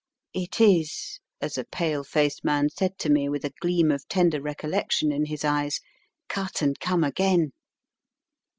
"It is," as a pale faced man said to' me with a gleam of tender recollection in his eyes, " cut and come again."